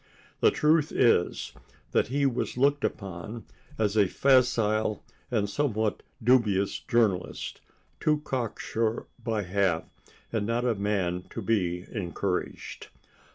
The truth is that he was looked upon as a facile and somewhat dubious journalist, too cocksure by half, and not a man to be encouraged.